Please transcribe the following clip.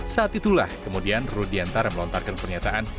saat itulah kemudian rudiantara melontarkan pernyataan